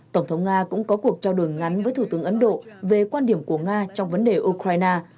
tổng thống nga cũng có cuộc trao đổi ngắn với thủ tướng ấn độ về quan điểm của nga trong vấn đề ukraine